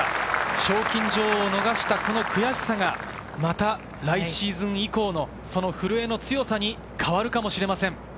賞金女王を逃した悔しさが、また来シーズン以降の古江の強さに変わるかもしれません。